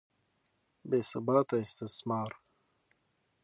بې ثباته استثمار.